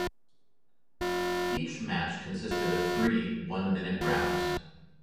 Each match consisted of three one-minute rounds.